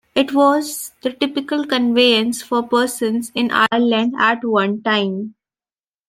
It was the typical conveyance for persons in Ireland at one time.